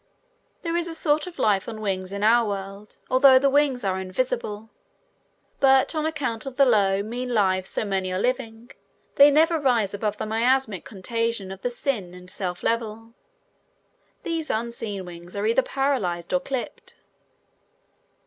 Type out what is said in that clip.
There is a sort of a life on wings in our world, although the wings are invisible. But on account of the low, mean lives so many are living, they never rise above the miasmic contagion of the sin and self level. These unseen wings are either paralyzed or clipped.